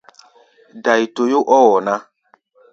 Dai-toyó ɔ́ wɔ ná.